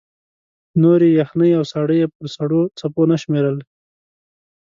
نورې یخنۍ او ساړه یې پر سړو څپو نه شمېرل.